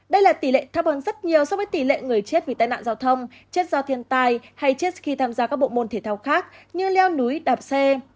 đây là tỷ lệ thấp hơn rất nhiều so với tỷ lệ người chết vì tai nạn giao thông chết do thiên tai hay chết khi tham gia các bộ môn thể thao khác như leo núi đạp xe